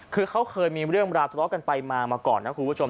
คือเขาเคยมีเรื่องราบสต๊อกันไปมามาก่อนนะครับคุณผู้ชม